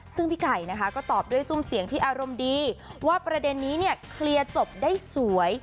ซึ่งพี่ไก่นะคะก็ตอบด้วยซุ่มเสียงที่อารมณ์ดีว่าประเด็นนี้เนี่ยเคลียร์จบได้สวย